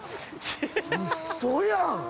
うそやん。